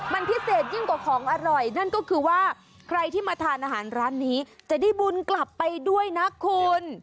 มันพิเศษยิ่งกว่าของอร่อยนั่นก็คือว่าใครที่มาทานอาหารร้านนี้จะได้บุญกลับไปด้วยนะคุณ